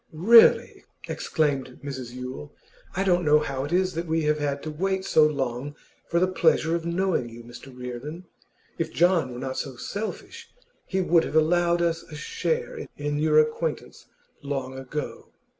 'Really,' exclaimed Mrs Yule, 'I don't know how it is that we have had to wait so long for the pleasure of knowing you, Mr Reardon. If John were not so selfish he would have allowed us a share in your acquaintance long ago.